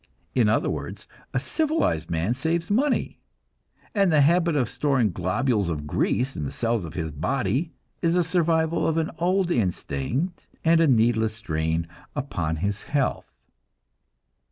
In other words, a civilized man saves money, and the habit of storing globules of grease in the cells of his body is a survival of an old instinct, and a needless strain upon his health.